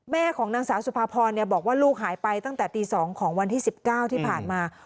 ของนางสาวสุภาพรบอกว่าลูกหายไปตั้งแต่ตี๒ของวันที่๑๙ที่ผ่านมา